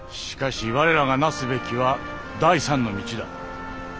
しかし我らがなすべきは第３の道だ。